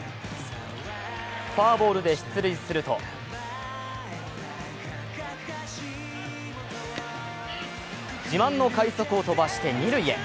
フォアボールで出塁すると自慢の快足を飛ばして二塁へ。